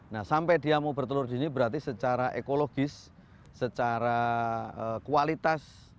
nah sampai dia mau bertelur dini berarti secara ekologis secara kualitas